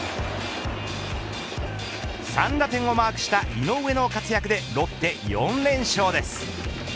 ３打点をマークした井上の活躍でロッテ、４連勝です。